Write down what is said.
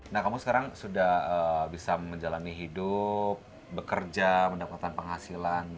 nah kamu sekarang sudah bisa menjalani hidup bekerja mendapatkan penghasilan